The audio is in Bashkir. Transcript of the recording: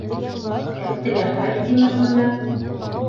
Әптеләхәт тиме шунда.